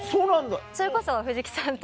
それこそ藤木さんと。